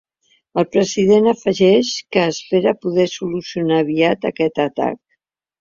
El president afegeix que espera poder solucionar aviat aquest atac.